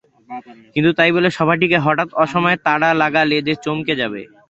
কিন্তু তাই বলে সভাটিকে হঠাৎ অসময়ে তাড়া লাগালে যে চমকে যাবে।